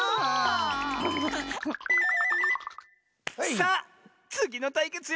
さあつぎのたいけつよ！